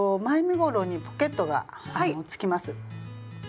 前身ごろにポケットがつきます。